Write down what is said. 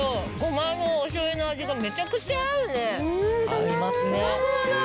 合いますね。